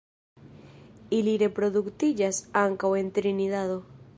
Ili reproduktiĝas ankaŭ en Trinidado.